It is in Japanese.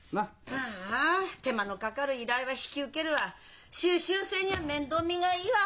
ああ手間のかかる依頼は引き受けるわ修習生には面倒見がいいわ